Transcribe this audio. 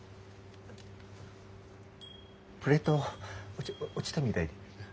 プレート落ち落ちたみたいで。